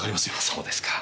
そうですか。